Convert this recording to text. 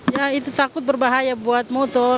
ya itu takut berbahaya buat motor